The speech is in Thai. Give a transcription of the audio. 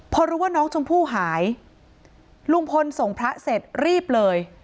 พอรู้ว่าน้องชมพู่หายลุงพลส่งพระเสร็จรีบเลย